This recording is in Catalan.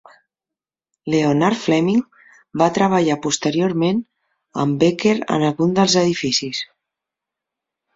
Leonard Fleming va treballar posteriorment amb Baker en alguns dels edificis.